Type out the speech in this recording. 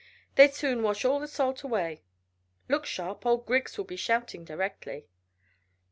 "They'd soon wash all the salt away. Look sharp: old Griggs will be shouting directly."